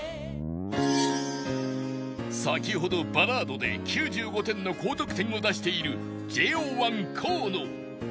先ほどバラードで９５点の高得点を出している ＪＯ１ 河野